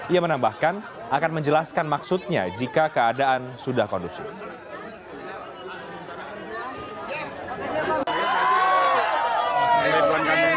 ia menambahkan akan menjelaskan maksudnya jika keadaan sudah kondusif